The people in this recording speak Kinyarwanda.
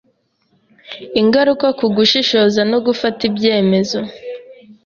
Ingaruka ku Gushishoza no Gufata Ibyemezo